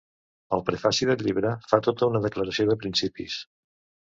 Al prefaci del llibre fa tota una declaració de principis.